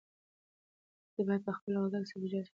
تاسي باید په خپله غذا کې سبزیجات شامل کړئ.